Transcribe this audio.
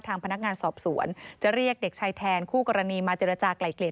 ทางพนักงานสอบสวนจะเรียกเด็กชายแทนคู่กรณีมาเจรจากลายเกลี่ย